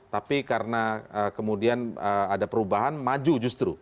tapi karena kemudian ada perubahan maju justru